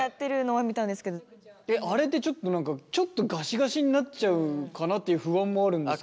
あれってちょっと何かちょっとガシガシになっちゃうかなっていう不安もあるんですけど。